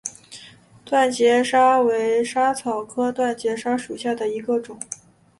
断节莎为莎草科断节莎属下的一个种。